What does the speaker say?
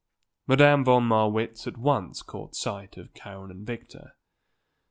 Madame von Marwitz at once caught sight of Karen and Victor.